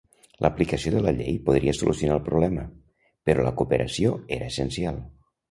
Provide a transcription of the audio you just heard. L'aplicació de la llei podria solucionar el problema, però la cooperació era essencial.